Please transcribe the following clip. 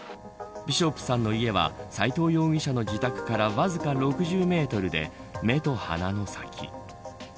ビショップさんの家は斎藤容疑者の自宅からわずか６０メートルで目と鼻の先。